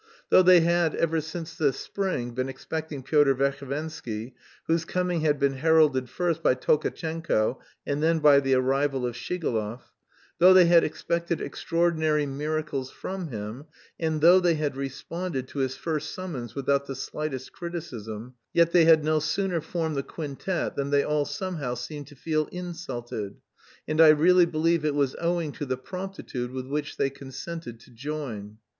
Though they had ever since the spring been expecting Pyotr Verhovensky, whose coming had been heralded first by Tolkatchenko and then by the arrival of Shigalov, though they had expected extraordinary miracles from him, and though they had responded to his first summons without the slightest criticism, yet they had no sooner formed the quintet than they all somehow seemed to feel insulted; and I really believe it was owing to the promptitude with which they consented to join.